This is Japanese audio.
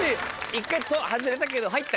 １回外れたけど入った。